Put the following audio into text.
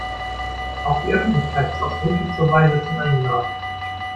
Auch die Öffentlichkeit ist ausdrücklich zur Beisetzung eingeladen.